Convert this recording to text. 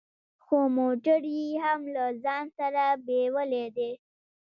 هو موټر يې هم له ځان سره بيولی دی.